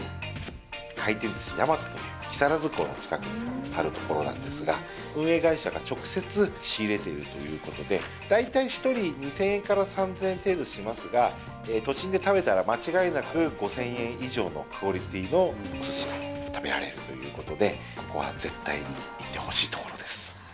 回転寿司やまとという、木更津港の近くにある所なんですが、運営会社が直接、仕入れているということで、大体１人２０００円から３０００円程度しますが、都心で食べたら、間違いなく５０００円以上のクオリティのおすしが食べられるということで、ここは絶対に行ってほしいところです。